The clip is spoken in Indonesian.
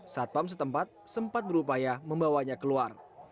satpam setempat sempat berupaya membawanya keluar